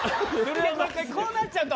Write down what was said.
こうなっちゃうと。